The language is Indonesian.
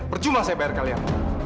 percuma cpr kalian